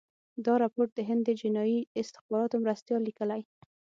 دا رپوټ د هند د جنايي استخباراتو مرستیال لیکلی.